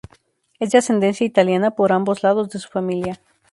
Es de ascendencia italiana por ambos lados de su familia.